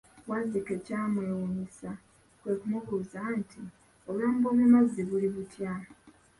Wazzike kyamwewunyisa kwe kumubuuza nti, obulamu bw'omumazzi buli butya?